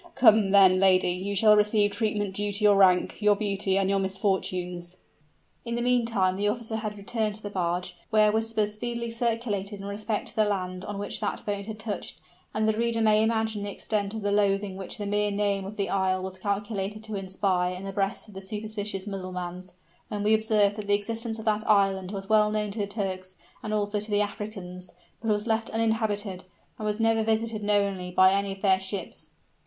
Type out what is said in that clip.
Come, then, lady, you shall receive treatment due to your rank, your beauty, and your misfortunes." In the meantime the officer had returned to the barge, where whispers speedily circulated in respect to the land on which that boat had touched; and the reader may imagine the extent of the loathing which the mere name of the isle was calculated to inspire in the breasts of the superstitious Mussulmans, when we observe that the existence of that island was well known to the Turks and also to the Africans, but was left uninhabited, and was never visited knowingly by any of their ships.